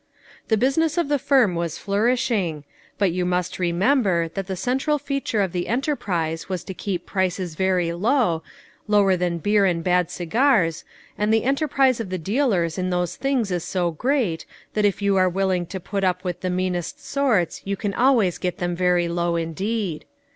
The business of the firm was flourishing ; but you must remember that the central feature of the enterprise was to keep prices very low, lower than beer and bad cigars, and the enterprise of the dealers in these things is so great, that if you are willing to put up with the meanest sorts 402 LITTLE FISHERS : AND THEIE NETS. you can always get them very low indeed.